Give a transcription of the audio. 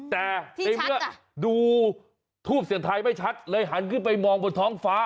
แต่ในเมื่อดูทูปเสียงไทยไม่ชัดเลยหันขึ้นไปมองบนท้องฟ้า